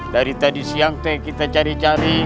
dari tadi siang teh kita cari cari